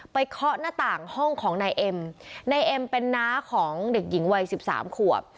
เคาะหน้าต่างห้องของนายเอ็มนายเอ็มเป็นน้าของเด็กหญิงวัยสิบสามขวบ